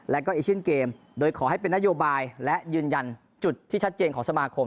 แล้วก็เอเชียนเกมโดยขอให้เป็นนโยบายและยืนยันจุดที่ชัดเจนของสมาคม